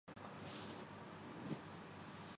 سی F C کا استعمال پہلے